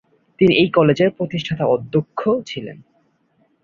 তিনি এই কলেজের প্রতিষ্ঠাতা অধ্যক্ষ ছিলেন।